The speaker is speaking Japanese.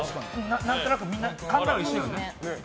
何となく、みんな考えは一緒だよね。